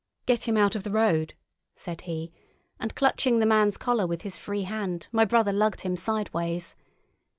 "Get him out of the road," said he; and, clutching the man's collar with his free hand, my brother lugged him sideways.